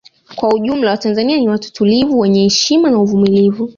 Kwa ujumla watanzania ni watu tulivu wenye heshima na uvumulivu